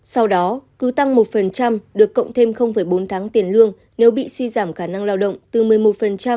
sau đó cứ tăng một được cộng thêm bốn tháng tiền lương nếu bị suy giảm khả năng lao động từ một mươi một đến tám mươi